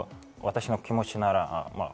私の気持ちなら。